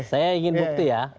saya ingin bukti ya